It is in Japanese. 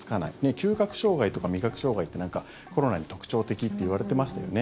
嗅覚障害とか味覚障害ってコロナに特徴的っていわれてましたよね。